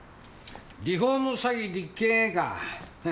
「リフォーム詐欺立件へ」か。